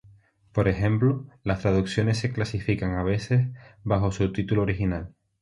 Por ejemplo, las traducciones se clasifican a veces bajo su título original.